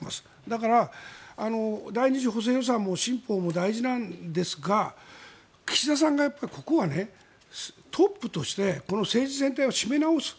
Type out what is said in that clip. だから第２次補正予算案も新法も大事なんですが岸田さんがここはトップとして政治全体を締め直す。